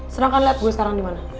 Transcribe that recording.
serahkan liat gue sekarang di mana